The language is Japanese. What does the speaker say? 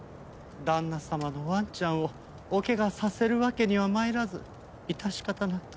旦那様のワンちゃんをお怪我させるわけには参らず致し方なく。